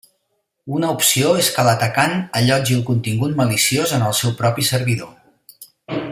Una opció és que l'atacant allotgi el contingut maliciós en el seu propi servidor.